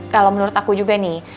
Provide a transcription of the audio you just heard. kalau menurut aku juga nih